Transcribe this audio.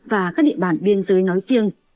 và các địa bàn biên giới nói riêng